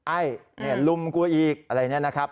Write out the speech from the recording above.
ไอ้รุมกูอีกอะไรแบบนี้นะครับ